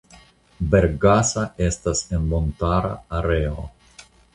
Bergasa estas en montara areo.